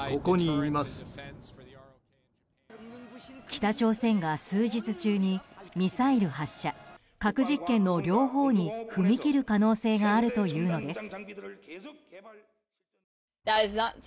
北朝鮮が数日中にミサイル発射、核実験の両方に踏み切る可能性があるというのです。